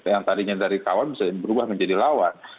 yang tadinya dari kawan bisa berubah menjadi lawan